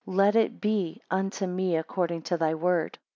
Let it be unto me according to thy word.